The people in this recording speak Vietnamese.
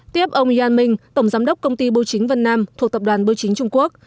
tiếp ông yann minh tổng giám đốc công ty bưu chính vân nam thuộc tập đoàn bưu chính trung quốc